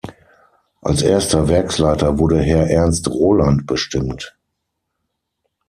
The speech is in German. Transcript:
Als erster Werksleiter wurde Herr Ernst Roland bestimmt.